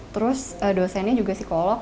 terus dosennya juga psikolog